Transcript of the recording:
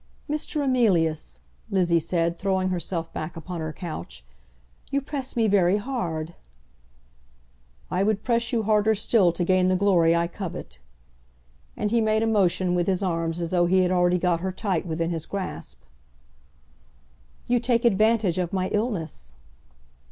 "Mr. Emilius," Lizzie said, throwing herself back upon her couch, "you press me very hard." "I would press you harder still to gain the glory I covet." And he made a motion with his arms as though he had already got her tight within his grasp. "You take advantage of my illness."